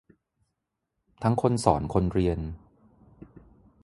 ทั้งคนสอนคนเรียน